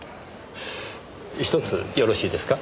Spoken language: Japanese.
ひとつよろしいですか？